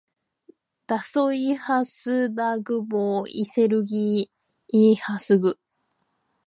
だそい ｈｓｄｇ ほ；いせるぎ ｌｈｓｇ